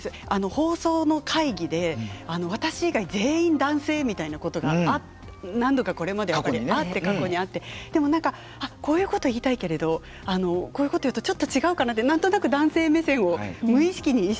放送の会議で私以外全員男性みたいなことが何度かこれまで過去にあってでも何かあっこういうことを言いたいけれどもこういうことを言うとちょっと違うかなって何となく場の空気をね。